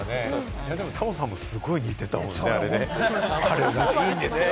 タモさんもすごい似てたもんね。